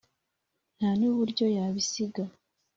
nta n'uburyo yabisiga.